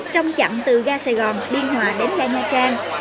trong chặng từ ga sài gòn biên hòa đến ga nha trang